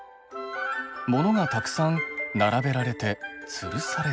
モノがたくさん並べられてつるされて。